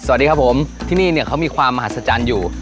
สวัสดีครับผมที่นี่เนี่ยเขามีความมหัศจรรย์อยู่